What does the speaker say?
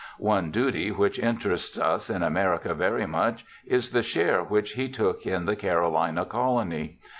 One duty which interests us in America very much is the share which he took in the Carolina colony.